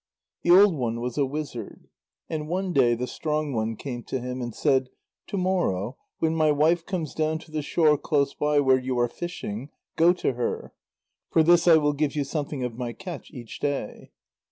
The old one was a wizard, and one day the strong one came to him and said: "To morrow, when my wife comes down to the shore close by where you are fishing, go to her. For this I will give you something of my catch each day."